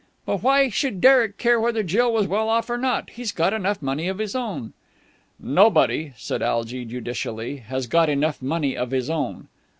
"But why should Derek care whether Jill was well off or not? He's got enough money of his own." "Nobody," said Algy judicially, "has got enough money of his own.